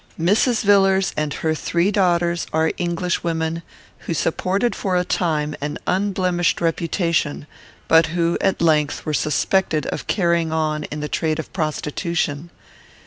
"Mrs. Villars and her three daughters are Englishwomen, who supported for a time an unblemished reputation, but who, at length, were suspected of carrying on the trade of prostitution.